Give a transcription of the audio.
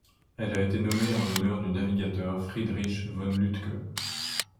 Elle a été nommée en l'honneur du navigateur Friedrich von Lütke.